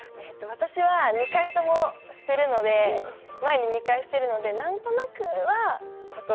私は２回ともしてるので前に２回してるので何となくはコツをつかめてきました。